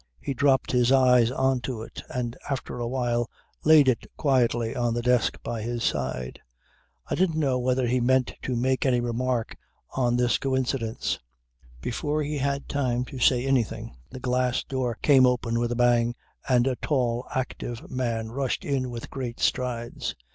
"He dropped his eyes on to it and after a while laid it quietly on the desk by his side. I didn't know whether he meant to make any remark on this coincidence. Before he had time to say anything the glass door came open with a bang and a tall, active man rushed in with great strides.